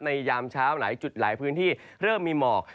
ยามเช้าหลายจุดหลายพื้นที่เริ่มมีหมอก